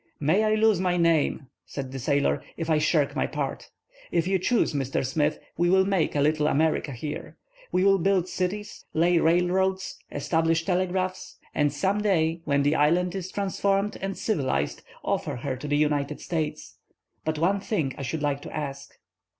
"May I lose my name," said the sailor, "if I shirk my part! If you choose, Mr. Smith, we will make a little America here. We will build cities, lay railroads, establish telegraphs, and some day, when the island is transformed and civilized, offer her to the United States. But one thing I should like to ask."